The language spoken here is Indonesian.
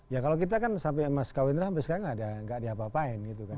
ya kalau kita kan sampai mas kawindra sampai sekarang gak ada gak ada apa apaan gitu kan